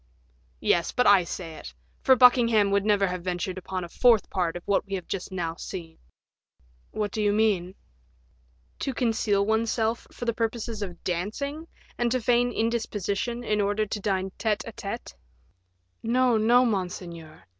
"Yes, but I say it; for Buckingham would never have ventured upon a fourth part of what we have just now seen." "What do you mean?" "To conceal oneself for the purposes of dancing, and to feign indisposition in order to dine tete a tete." "No, no, monseigneur."